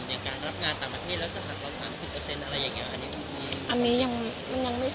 ในการรับงานต่างประเทศแล้วจะหันเข้าสิบเปอร์เซ็นต์อะไรอย่างนี้